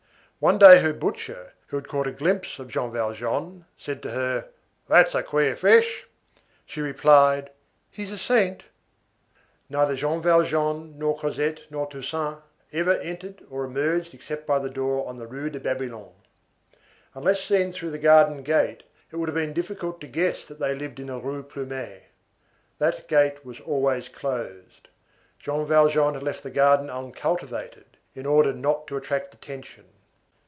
One day, her butcher, who had caught a glimpse of Jean Valjean, said to her: "That's a queer fish." She replied: "He's a saint." Neither Jean Valjean nor Cosette nor Toussaint ever entered or emerged except by the door on the Rue de Babylone. Unless seen through the garden gate it would have been difficult to guess that they lived in the Rue Plumet. That gate was always closed. Jean Valjean had left the garden uncultivated, in order not to attract attention.